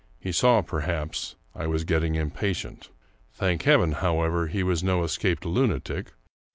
He saw, perhaps, I was getting im patient. Thank Heaven, however, he was no escaped luna tic.